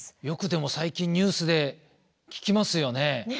よくでも最近ニュースで聞きますよね。